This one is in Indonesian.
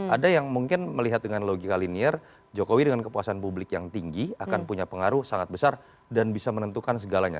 ada yang mungkin melihat dengan logika linier jokowi dengan kepuasan publik yang tinggi akan punya pengaruh sangat besar dan bisa menentukan segalanya